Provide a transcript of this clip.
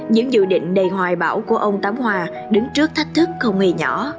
những dự định đầy hoài bão của ông tám hòa đứng trước thách thức không hề nhỏ